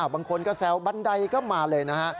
บางคนก็แซวบันไดก็มาเลยนะฮะ